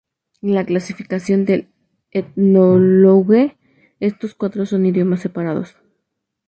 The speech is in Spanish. En la clasificación del "Ethnologue", estos cuatro son idiomas separados.